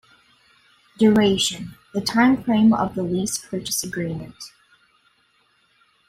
"Duration" - The timeframe of the Lease-Purchase Agreement.